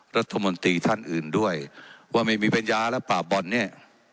รัฐมนตรีท่านอื่นด้วยว่าไม่มีปัญญาและป่าบ่อนเนี่ย